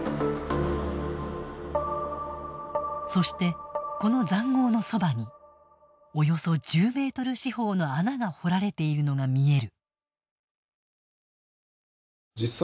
そして、この塹壕のそばにおよそ１０ｍ四方の穴が掘られているのが見える。